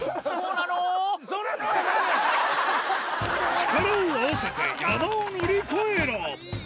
力を合わせて山を乗り越えろ！